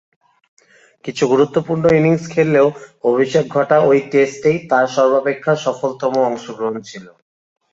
কিছু গুরুত্বপূর্ণ ইনিংস খেললেও অভিষেক ঘটা ঐ টেস্টেই তার সর্বাপেক্ষা সফলতম অংশগ্রহণ ছিল।